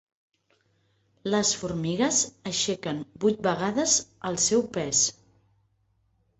Les formigues aixequen vuit vegades el seu pes.